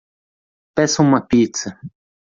Peça uma pizza.